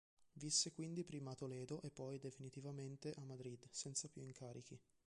Visse quindi prima a Toledo e poi, definitivamente, a Madrid, senza più incarichi.